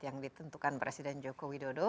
yang ditentukan presiden joko widodo